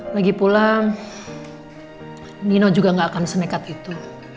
lagi pula nino juga gak akan senekat itu